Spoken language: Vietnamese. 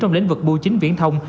trong lĩnh vực bưu chính viễn thông